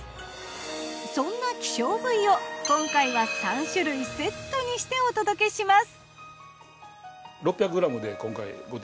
そんな稀少部位を今回は３種類セットにしてお届けします。